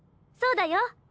そうだよ。